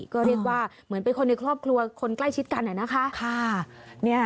ก็เรียกว่าเหมือนเป็นคนในครอบครัวคนใกล้ชิดกันนะคะ